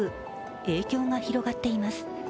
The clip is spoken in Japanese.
影響が広がっています。